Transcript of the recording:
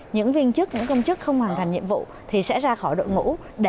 những viên chức những công chức không hoàn thành nhiệm vụ thì sẽ ra khỏi đội ngũ